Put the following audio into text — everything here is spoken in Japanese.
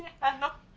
あの。